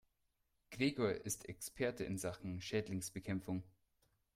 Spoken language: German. Gregor ist Experte in Sachen Schädlingsbekämpfung.